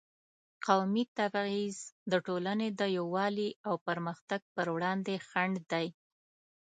قومي تبعیض د ټولنې د یووالي او پرمختګ پر وړاندې خنډ دی.